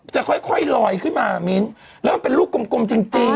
จะค่อยลอยขึ้นมามิ้นแล้วมันเป็นลูกกลมจริง